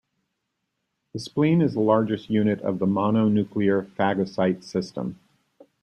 The spleen is the largest unit of the mononuclear phagocyte system.